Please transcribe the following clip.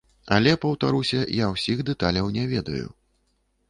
Але, паўтаруся, я ўсіх дэталяў не ведаю.